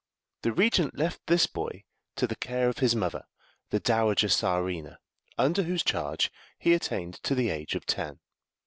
The Regent left this boy to the care of his mother, the Dowager Czarina, under whose charge he attained to the age of ten.